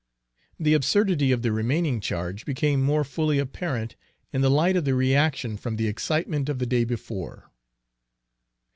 The absurdity of the remaining charge became more fully apparent in the light of the reaction from the excitement of the day before.